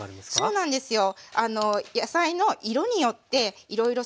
そうなんですよ。